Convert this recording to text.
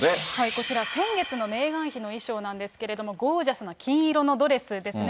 こちら、先月のメーガン妃の衣装なんですけれども、ゴージャスな金色なドレスですね。